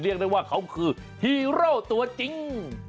เรียกได้ว่าเขาคือฮีโร่ตัวจริง